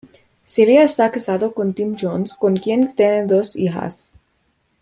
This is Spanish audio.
Celia está casada con Tim Jones con quien tiene dos hijas.